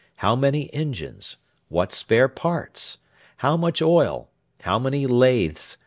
How many engines? What spare parts? How much oil? How many lathes?